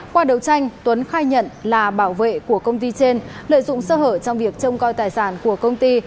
qua đấu tranh tuấn khai nhận là bảo vệ của công ty trên lợi dụng sơ hở trong việc trông coi tài sản của công ty